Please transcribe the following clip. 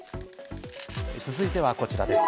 続いてはこちらです。